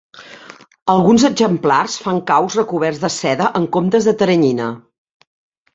Alguns exemplars fan caus recoberts de seda en comptes de teranyina.